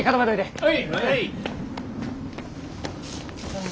はい。